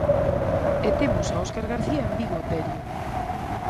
E temos a Óscar García en Vigo, Terio.